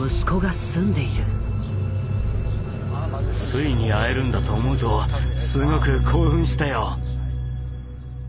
ついに会えるんだと思うとすごく興奮したよ。